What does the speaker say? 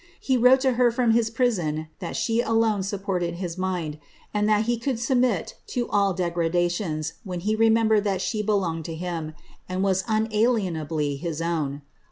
He wrote to her from his pri.^on that she alone supported his miod, and that he could stubmit to all degradations, when he remembered that t^he belonged to him, and was unalienably hj> own.